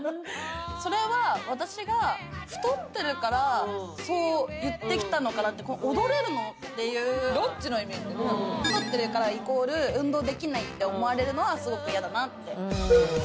それは私が太ってるからそう言ってきたのかなってっていうどっちの意味？ってね太ってるからイコール運動できないって思われるのはスゴく嫌だなって